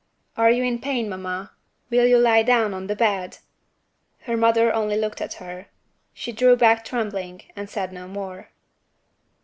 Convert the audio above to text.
"Are you in pain, mamma? Will you lie down on the bed?" Her mother only looked at her. She drew back trembling, and said no more.